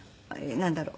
なんだろう。